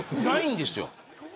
ないんですよ。